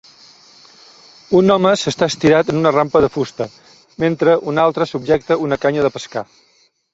Un home s'està estirat en una rampa de fusta mentre un altre subjecta una canya de pescar.